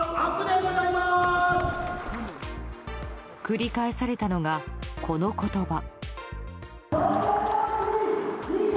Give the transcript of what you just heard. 繰り返されたのが、この言葉。